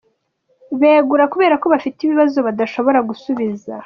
Begura kubera ko bafite ibibazo badashobora gusubiza.